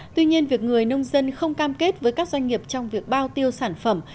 tuy nhiên việc người nông dân không cam kết với các doanh nghiệp trong việc bao tiêu sản phẩm